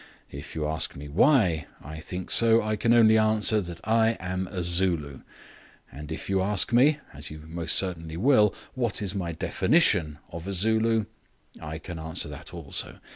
If you ask me why I think so I can only answer that I am a Zulu; and if you ask me (as you most certainly will) what is my definition of a Zulu, I can answer that also.